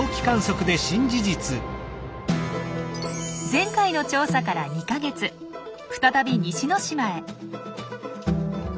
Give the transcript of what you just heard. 前回の調査から２か月再び西之島へ。